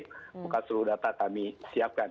maka seluruh data kami siapkan